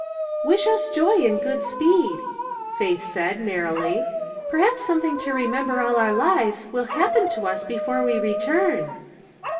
" Wish us joy and good speed," Faith said, merrily. " Perhaps something to remember alF our lives will happen to us before we return."